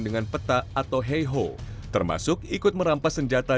dengan peta atau heiho termasuk ikut merampas senjata